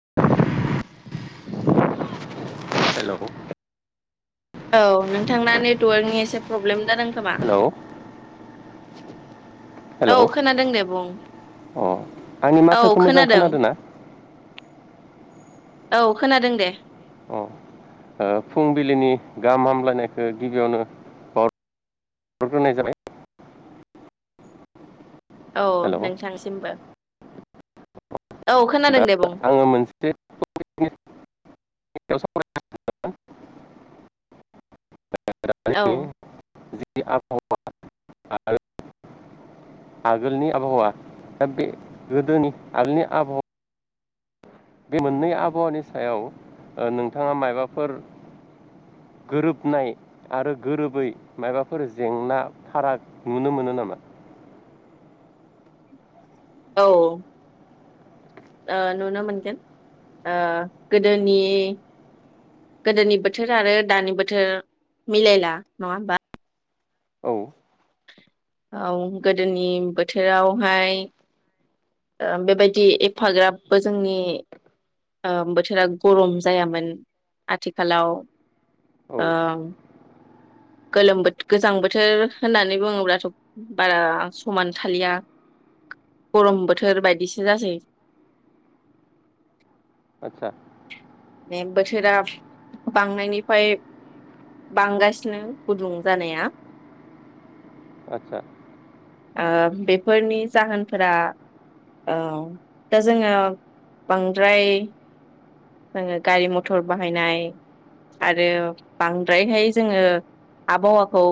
[inaudible] हेल' औ नोंथांना नेटवर्कनि एसे प्रब्लेम जादों खोमा हेल' हेल' औ खोनादों दे बुं अह आंनि माथोखौ मोजां खोनादों ना? औ खोनादों दे । अ ओ फुंबिलिनि गाहाम हामलायनायखौ गिबियावनो बावहरग्रोनाय जाबाय। औ हेलौ नोंथांनिसिमबो । दा बुं आंङो मोनसे टपिकनि [unintelligible] औ [unintelligible] आबहावा आरो आगोलनि आबहावा दा बे गोदोनि आगोलनि आबहावा बे मोननै आवहावानि सायाव नोंथांया माबाफोर गोरोबनाय आरो गोरोबै माबाफोर जेंना फाराग नुनो मोनो नामा? औ ओ नुनो मोनगोन ओ गोदोनि गोदोनि बोथोर आरो दानि बोथोर मिलायला नङा होमबा? औ । औ गोदोनि बोथोरावहाय ओ बेबायदि एफाग्राबबो जोंनि बोथोरा गरम जायामोन आथिखालाव औ ओ गोलोमो बोथो गोजां बोथोर होननानै बुङोब्लाथ' बारा समान थालिया गरम बोथोर बायदिसो जासै आतसा । बे बोथोरा बांनायनिफ्राय बांगासिनो गुदुं जानाया आदसा । ओ बेफोरनि जाहोनफोरा ओ दा जोङो बांद्राय जोङो गारि मथर बाहायनाय आरो बांद्रायहाय जोङो आबहावाखौ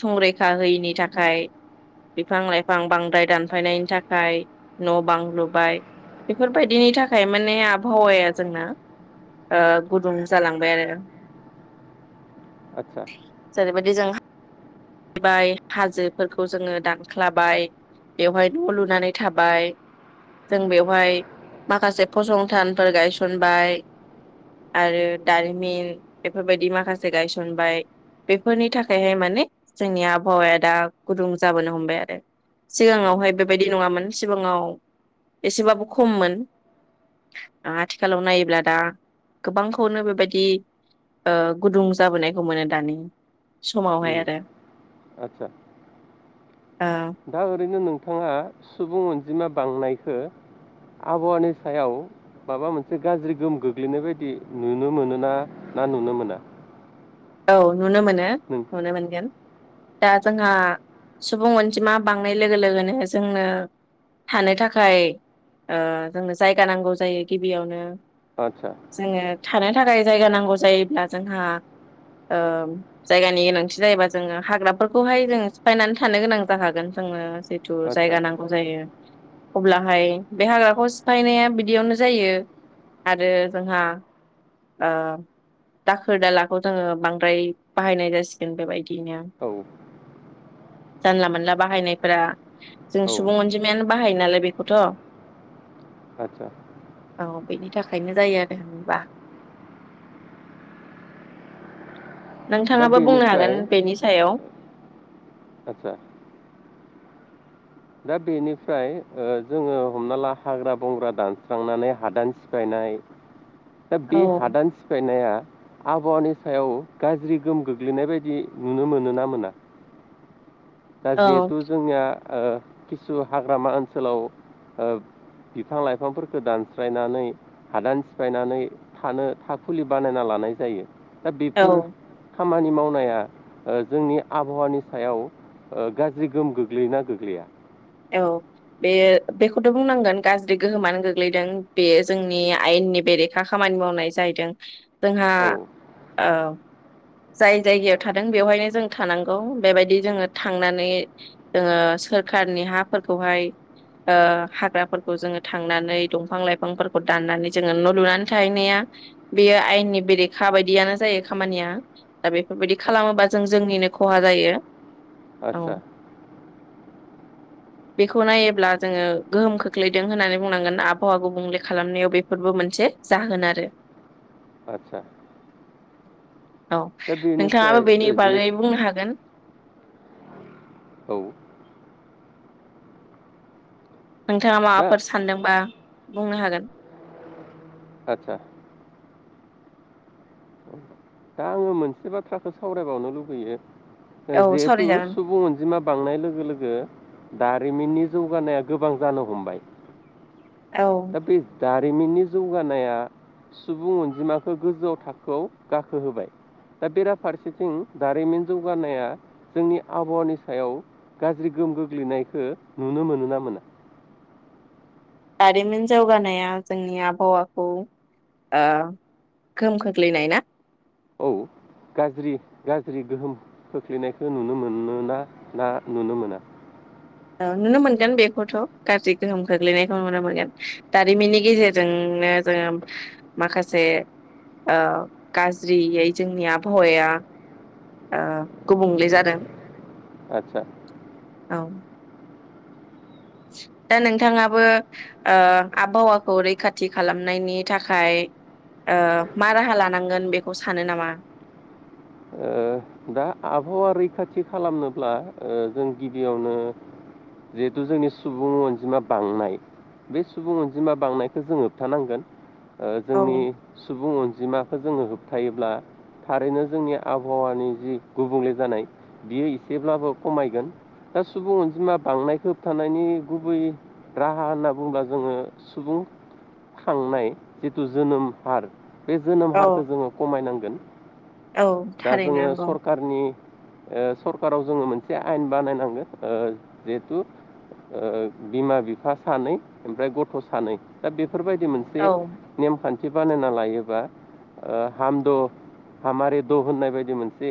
संरैखा होयिनि थाखाय बिफां लाइफां बांद्राय दानफायनायनि थाखाय न' बां लुबाय बेफोरबायदिनि थाखाय माने आबहावाया जोंना ओ गुदुं जालांबाय आरो । आदसा । जेरैबायदि जों हाबाय हाजोफोरखौ जोङो दानख्लाबाय बेवहाय न' लुनानै थाबाय जों बेवहाय माखासे फसंथानफोर गायसन सनबाय आरो दारिमिन बेफोरबायदि माखासे गायसनबाय बेफोरनि थाखायहाय माने जोंनि आबहावाया दा गुदुं जाबोनो हमबाय आरो अ सिगाङावहाय बेबायदि नङामोन सिगाङाव एसेबाबो खममोन आथिखालाव नायोब्ला दा गोबांखौनो बेबायदि ओ गुदुं जाबोनायखौ मोनो दानि समावहाय उम आरो आदसा दा ओरैनो नों- थाङा सुबुं अनजिमा बांनायखो आबहावानि सायाव माबा मोनसे गाज्रि गोहोम गोग्लैनाय बायदि नुनो मोनो ना नुनो मोना। औ नुनो मोनो नों नुनो मोनगोन। दा जोंहा सुबुं अनजिमा बांनाय लोगो लोगोनो जोंनो थानो थाखाय ओ जोंनो जायगा नांगौ जायो। गिबियावनो आदसा जोङो थाना- नो थाखाय जायगा नांगौ जायोब्ला जोंहा ओ जायगानि गोनांथि जायोबा जोङो हाग्राफोरखौहाय जों सिफायनानै थानो गोनां जाखागोन जोङो। जिथु आदसा जायगा नांगौ जायो। अब्लाहाय बे हाग्राखौ सिफायनाया बिदियावनो जायो आरो जोंहा ओ दाखोर दाला खौ जोङो बांद्राय बाहायनाय जासिगोन बेबायदिनो औ जानला मोनला बाहायनायफोरा जों औ सुबुं अनजिमायानो बाहायो नालाय बेखौथ आदसा औ बेनि थाखायनो जायो आरो होनब्ला दा नोंथाङाबो बुंनो बेनिफ्राय हागोन बेनि सायाव आदसा दा बेनिफ्राय ओ जोङो हमना ला हाग्रा बंग्रा दानस्रांनानै हादान सिफायनाय। दा बे औ हादान सिफायनाया आबहावानि सायाव गाज्रि गोहोम गोग्लैनाय बायदि नुनो मोनो ना मोना? दा औ जिहेथु जोंनिया ओ किसु हाग्रामा ओनसोलाव बिफां लाइफांफोरखौ दानस्रायनानै हादान सिफायनानै थानो थाखुलि बानायना लानाय जायो। दा बेफोर औ खामानि मावनाया ओ जोंनि आबहावानि सायाव ओ गाज्रि गोहोम गोग्लैयोना गोग्लैया? औ बे बेखौथ बुंनांगोन गाज्रि गोहोमानो गोग्लैदों बे जोंनि आयेननि बेरेखा खामानि मावनाय जाहैदों जोंहा औ ओ जाय जायगायाव थादों बेवहायनो जों थानांगौ बेबायदि जोङो थांनानै जोङो सोरखार नि हाफोरखौहाय हाग्राफोरखौ जोङो थांनानै दंफां लाइफांफोरखौ दाननानै जोङो न लुनानै थाहैनाया बेयो आयेननि बेरेखा बायदियानो जायो खामानिया दा बेफोरबायदि खालामोबा जों जोंनिनो खहा जायो। औ आतसा बेखौ नायोब्ला जोङो गोहोम खोख्लैदों होननानै बुंनांगोन आबहावा गुबुंले खालामनायाव बेफोरबो मोनसे जाहोन आरो आतसा औ बेनिफ्राय नोंथाङाबो बेनि जे बागै बुंनो हागोन। औ नोंथाङा दा माबाफोर सान्दोंबा बुंनो हागोन आतसा दा आङो मोनसे बाथ्राखौ सावरायबावनो लुुबैयो ओ औ जिहेतु सावरायजागोन सुबुं अनजिमा बां बांनाय लोगो लोगो दारिमिननि जौगानाया गोबां जानो हमबाय। औ दा बे दारि मिननि जौगानाया सुबुं अनजिमाखौ गोजौआव थाखोआव गाखोहोबाय दा बेराफारसेथिं दारिमिन जौगानाया जोंनि आबहावानि सायाव गाज्रि गोहोम गोग्लैनायखो नुनो मोनोना मोना? दारिमिन जौगानाया जोंनि आबहावाखौ ओ गोहोम खोख्लैनाय ना गाज्रि-गाज्रि गोहोम खोख्लैनायखौ नुनो मोनोना ना नुनो मोना? ओ नुनो मोनगोन बेखौथ गाज्रि गोहोम खग्लैनायखौ नुनो मोनगोन दारिमिननि गेजेरजोंनो जोङो माखासे ओ गाज्रियै जोंनि आबहावाया ओ गुबुंले जादों आतसा । औ दा नोंथाङाबो ओ आबहावाखौ रैखाथि खालामनायनि थाखाय ओ मा राहा लानांगोन बेखौ सानो नामा? ओ, दा आबहावा रैखाथि खालामनोब्ला ओ जों गिबियावनो जिहेथु जोंनि सुबुं अनजिमा बांनाय बे सुबुं अनजिमा बांनायखौ जों होबथानांगोन । ओ औ जोंनि सुबुं अनजि जिमाखौ जोङो होबथायोब्ला थारैनो जोंनि आबहावानि जि गुबुंले जानाय बियो एसेब्लाबो खमायगोन दा सुबुं अनजिमा बांनायखौ होबथानायनि गुबै राहा होनना बुंङोब्ला जोङो सुबुं खांनाय जिथु जोनोम हार बे जोनोम औ हारखो जोङो खमायनां गोन औ दा थारैनो जोङो नंगौ सरखारनि ओ सरखाराव जोङो मोनसे आयेन बानायनांगोन ओ जिहेथु ओ बिमा-बिफा सानै ओमफ्राय गथ सानै दा बे बेफोरबायदि मोनसे औ नेमखान्थि बानायना लायोबा ओ हाम दो हामारि दो दो होननाय बायदि मोनसे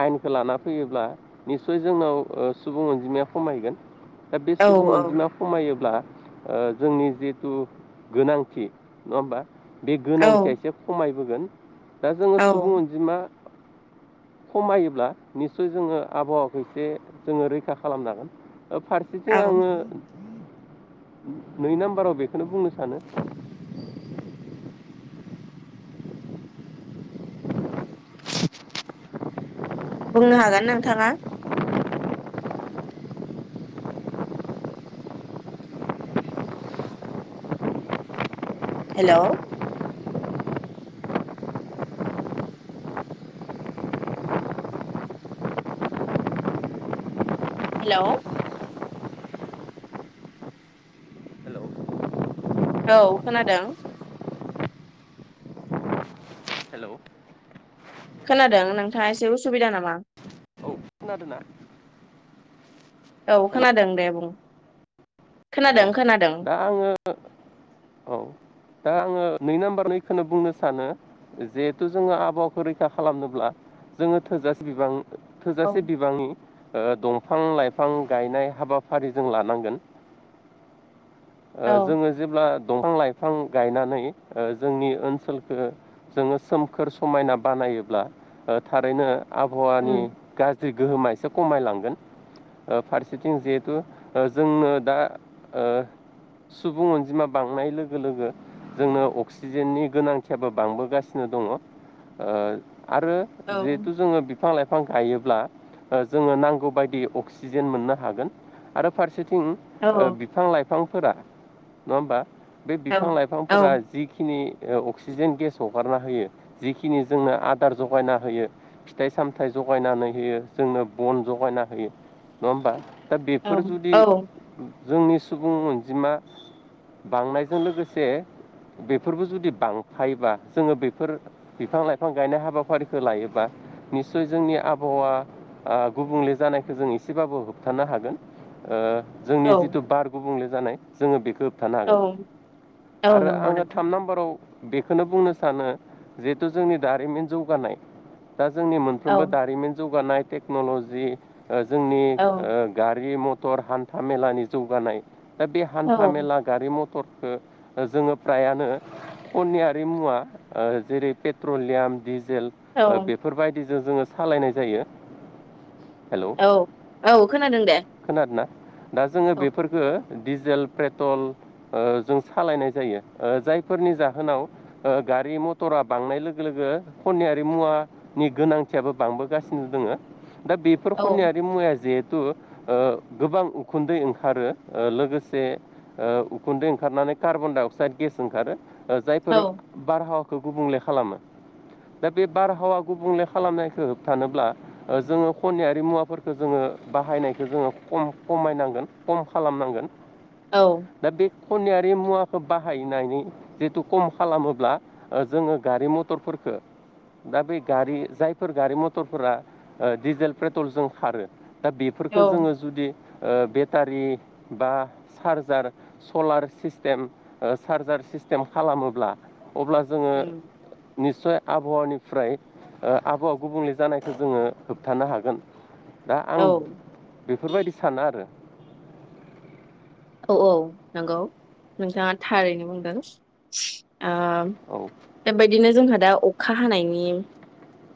आयेनखौ लाना फैयोब्ला निसय जोंनाव ओ सुबुं अनजिमाया खमायगोन । दा बे औ सुबुं औ अनजिमा खमायोब्ला ओ जोंनि जिहेथु गोनांथि नङा होनबा बे औ गोनांथिया एसे खमाय बोगोन दा जोङो सुबुं अनजिमा खमायोब्ला निसय जोङो आबहावाखौ एसे जोङो रैखा खालामनो हागोन । ओ फारसेथिं औ आङो नै नाम्बाराव बेखौनो बुंनो सानो बुंनो हागोन नोंथाङा। हेलौ। हेलौ। औ खोनादों। हेल' औ खोनादों नोंथाङा एसे उसुबिदा नामा? खोनादों ना? औ खोनादों दे बुं अ खोनादों। खोनादों दा आङो औ दा आङो नै नाम्बार नखौनो बुंनो सानो जिहेथु जोङो आबहावाखौ रैखा खालामनोब्ला जोङो थोजासे बिबां औ थोजासे बिबांनि ओ दंफां लाइफां गायनाय हाबाफारि जों लानांगोन औ ओ जोङो जेब्ला दंफां लाइ फां गायनानै ओ जोंनि ओनसोलखौो जोङो सोमखोर समायना बानायोब्ला ओ थारैनो आबहावानि उम गा जि गोहोमा एसे खमायलोन, ओ फारसेथिं जिहेथु जोंओ दा ओ सुबुं अनजिमा बांनाय लो गो लोगो जोंनो अक्सिजेननि गोनांथियाबो बांबोगासिनो दङ ओ आरो औ जिहेथु जोङो बिफां लाइफां गायोब्ला। जोङो नांगौ बायदि अक्सिजेन मोननो हागोन आरो फारसे सेथिं औ ओ बिफां लाइफां फोरा नङा होमबा बे औ बिफां औ लाइफांफोरा जिखिनि अक्सिजेन गेस हगारना होयो, जिखिनि जोंनो आदार जगायना होयो फिथाइ सामथाइ जगायनानै होयो। जोंनो बन जगायना होयो नङा होमबा? दा बेफोर जुदि औ जोंनि सुबुं अनजिमा बांनायजों लोगोसे, बेफोरबो जुदि बांफायोबा जोङो बेफोर बिफां लाइफां गायनाय हाबाफारिखौ लायोबा निस्सय जोंनि आबहावा आ गुबुंले जानायखौ जों एसेबाबो होबथानो हागोन। ओ जोंनि औ जिथु बार गुबुंले जानाय जोङो बेखौ होबथानो हागोन औ औ आरो नंगौ आङो नोंथां। थाम नाम्बाराव बेखौनो बुंनो सानो जिहेथु जोंनि दारिमिन जौगानाय दा जोंनि औ मोनफ्रोमबो दारिमिन जौ गानाय टेक्न'लजि जोंनि औ ओ गारि मथ थर हान्था मेलानि जौगानाय दा बे औ हान्था मेला गारि मथ थर जोङो फ्रायानो। खनियारि मुवा ओ जेरै पेट्रलियाम दिज जेल औ बेफोरबायदि जों जोङो सालायनाय जायो हेलौ औ औ खोनादों दे । खोनादोंना दा जोङो बेफोरफोरखो डिजेल पेट्रल ओ जों सालायनाय जायो, जायफोरनि जाहोनाव ओ गारि मटरा बांनाय लोगो लोगो खनियारि मुवानि गोनांथियाबो बांबोगासिनो दोङो दा बेफोर औ खनियारि मुवाया जे थु ओ गोबां उखुन्दै ओंखारो लोगोसे ओ खुन्दै ओंखारनानै कार्बन डाइ अक्साइड गेस ओंखारो आ औ जायफोर बारहाव खौ गुबुंले खालामो दा बे बारहावा गुबुंले खालामनायखौ होबथानोब्ला ओ जोङो खनियारि मुवाफोरखौ जोङो बाहायनायखो जोङो कम कमायनांगोन खम खालामनांगोन औ । दा बे खनियारि मुवाखौ बाहायनानै जितु खम खालामोब्ला ओ जोङो गारि मटरफोरखौ दा बे गारि जायफोर गारि मटरफोरा ओ डिजेल पेट्रलजों खारो दा बेफोरखौ जोङो जुदि ओ बेटारि बा चार्जार सलार सिस्टेम ओ चार्जार सिस्टेम खालामोब्ला अब्ला जोङो उम निस्सय आबहावानिफ्राय ओ आबहावा गुबुंले जानायखौ जोङो होबथानो हागोन दा औ आं बेफोरबायदि साना आरो औ औ नंगौ नोंथाङा थारैनो बुंदों । आ औ बेबायदिनो जोंहा दा अखा हानायनि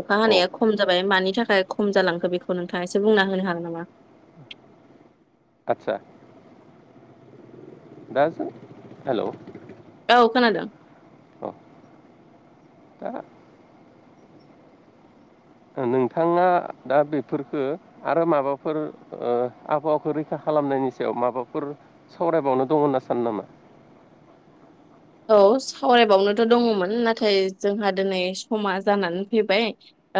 अखा औ हानाया खम जाबाय मानि थाखाय खम जालांखो बेखौ नोंथाङा एसे बुंना होनो हागोन नामा? आतसा दा जों हेलौ औ खोनादों । औ दा । नोंथाङा दा बेफोरखो आरो माबाफोर ओ आबहावाखौ रैखा खालामनायनि सायाव माबाफोर सावरायबावनो दङ होनना सानो नामा? औ सावरायबावनोथ' दङमोन नाथाय जोंहा दिनै समा जानानै फैबाय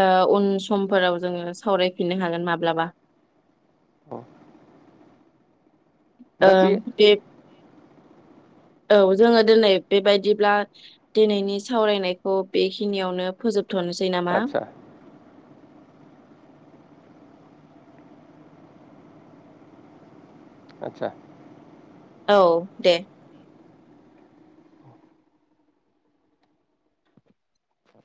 ओ उन समफोराव जोङो सावरायफिननो हागोन माब्लाबा । औ । ओं देब औ जोङो दिनै बेबायदिब्ला दिनैनि सावरायनायखौ बेखिनियावनो फोजोब थ'नोसै नामा? आदसा आतसा । औ दे ।